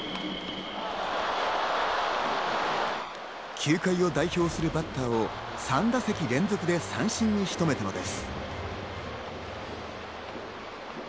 球界を代表するバッターを３打席連続で三振に仕留めたのです。